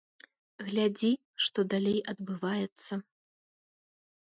Глядзі, што далей адбываецца.